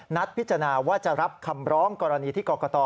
พิจารณาว่าจะรับคำร้องกรณีที่กรกต